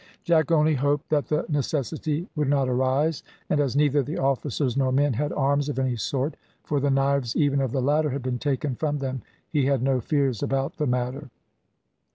Jack only hoped that the necessity would not arise, and as neither the officers nor men had arms of any sort for the knives even of the latter had been taken from them he had no fears about the matter.